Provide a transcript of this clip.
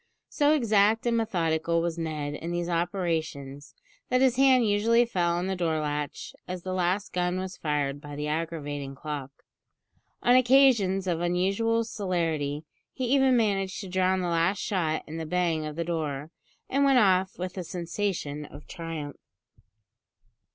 So exact and methodical was Ned in these operations, that his hand usually fell on the door latch as the last gun was fired by the aggravating clock. On occasions of unusual celerity he even managed to drown the last shot in the bang of the door, and went off with a sensation of triumph.